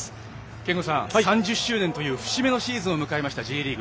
憲剛さん、３０周年という節目のシーズンを迎えたＪリーグ